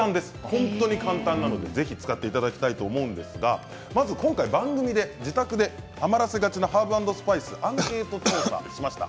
本当に簡単なのでぜひ使っていただきたいと思うんですが今回番組で自宅で余らせがちなハーブ＆スパイス、アンケート調査しました。